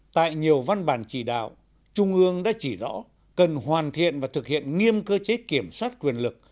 tại nhiều văn bản chỉ đạo trung ương đã chỉ rõ cần hoàn thiện và thực hiện nghiêm cơ chế kiểm soát quyền lực